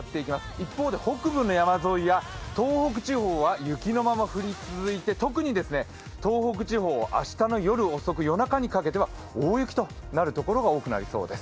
一方で北部の山沿いや東北地方はそのまま降り続いて特に東北地方、明日の夜遅く、夜中にかけては大雪となるところが多くなりそうです。